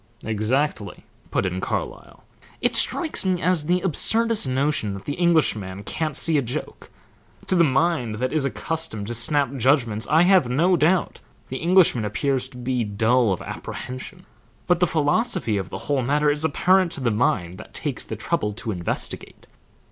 "Exactly," put in Carlyle. "It strikes me as the absurdest notion that the Englishman can't see a joke. To the mind that is accustomed to snap judgments I have no doubt the Englishman appears to be dull of apprehension, but the philosophy of the whole matter is apparent to the mind that takes the trouble to investigate.